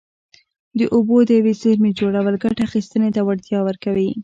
د اوبو د یوې زېرمې جوړول ګټه اخیستنې ته وړتیا ورکوي.